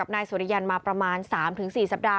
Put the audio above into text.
นายสุริยันมาประมาณ๓๔สัปดาห